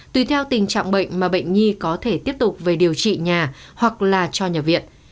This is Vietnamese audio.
tùy theo tình trạng bệnh mà bệnh nhi có thể tiếp tục về điều trị nhà hoặc là cho nhập viện